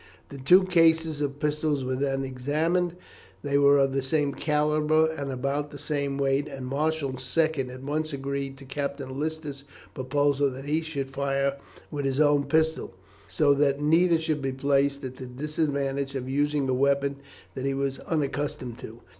The two cases of pistols were then examined. They were of the same calibre and about the same weight, and Marshall's second at once agreed to Captain Lister's proposal that each should fire with his own pistol, so that neither should be placed at the disadvantage of using a weapon that he was unaccustomed to.